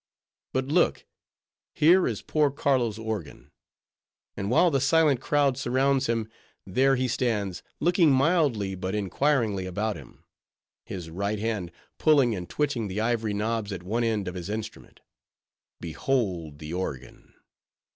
But look! here is poor Carlo's organ; and while the silent crowd surrounds him, there he stands, looking mildly but inquiringly about him; his right hand pulling and twitching the ivory knobs at one end of his instrument. Behold the organ!